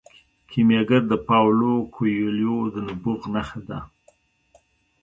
کیمیاګر د پاولو کویلیو د نبوغ نښه ده.